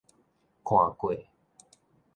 看過